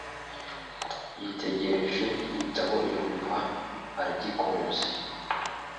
Yitegereje igitabo yumva aragikunze.